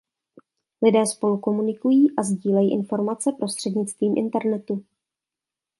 Lidé spolu komunikují a sdílejí informace prostřednictvím internetu.